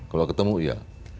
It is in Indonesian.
kalau ketemu ya